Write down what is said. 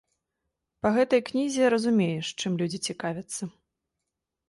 Па гэтай кнізе разумееш, чым людзі цікавяцца.